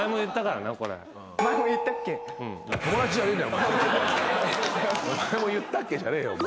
「前も言ったっけ？」じゃねえよお前。